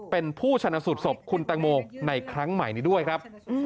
เป็นผู้ชนะสูตรศพคุณแตงโมในครั้งใหม่นี้ด้วยครับ